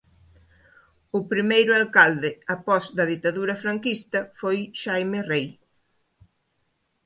O primeiro alcalde após da Ditadura Franquista foi Xaime Rei.